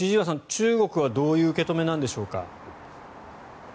中国はどういう受け止めなんでしょうか。